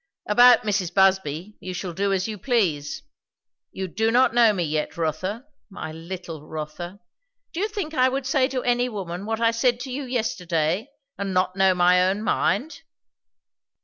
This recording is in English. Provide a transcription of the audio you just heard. "About Mrs. Busby, you shall do as you please. You do not know me yet, Rotha my little Rotha! Do you think I would say to any woman what I said to you yesterday, and not know my own mind?"